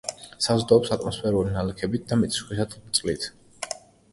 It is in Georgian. საზრდოობს ატმოსფერული ნალექებით და მიწისქვეშა წყლით.